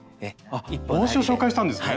あっ帽子を紹介したんですね。